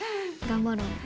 頑張ろうね。